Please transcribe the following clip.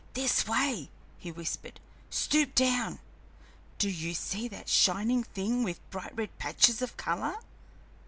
"This way," he whispered. "Stoop down. Do you see that shining thing with bright red patches of color?